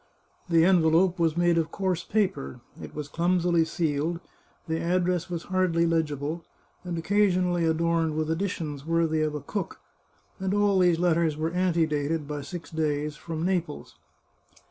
The envelope was made of coarse paper, it was clum sily sealed, the address was hardly legible, and occasionally adorned with additions worthy of a cook, and all these let ters were antedated, by six days, from Naples.